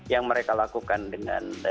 yang mereka lakukan dengan